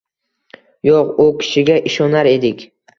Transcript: Yo‘q, u kishiga ishonar edik.